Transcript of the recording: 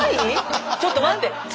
⁉ちょっと待って！